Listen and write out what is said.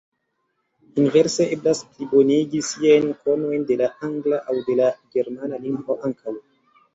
Inverse eblas plibonigi siajn konojn de la angla aŭ de la germana lingvo ankaŭ.